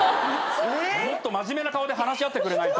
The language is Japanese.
もっと真面目な顔で話し合ってくれないと。